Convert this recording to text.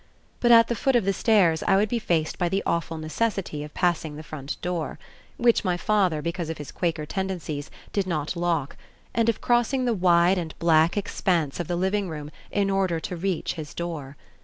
But at the foot of the stairs I would be faced by the awful necessity of passing the front door which my father, because of his Quaker tendencies, did not lock and of crossing the wide and black expanse of the living room in order to reach his door.